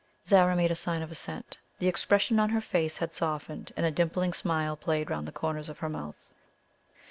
Zara made a sign of assent the expression of her face had softened, and a dimpling smile played round the corners of her mouth.